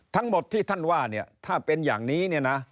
ทั้งหมดที่ท่านว่าถ้าเป็นอย่างนี้